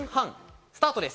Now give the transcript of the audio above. スタートです。